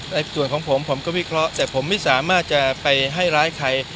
ในส่วนของผมผมก็วิเคราะห์แต่ผมไม่สามารถจะไปให้ร้ายใคร